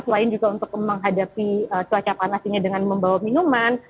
selain juga untuk menghadapi cuaca panas ini dengan membawa minuman